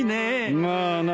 まあな。